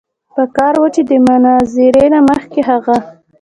پکار وه چې د مناظرې نه مخکښې هغه